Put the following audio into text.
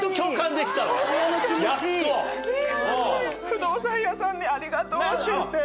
不動産屋さんにありがとうって言って。